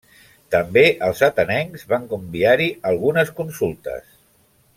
També els atenencs van enviar-hi algunes consultes.